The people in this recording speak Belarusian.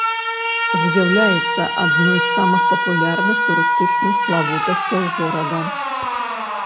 З'яўляецца адной з самых папулярных турыстычных славутасцяў горада.